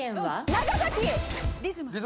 長崎！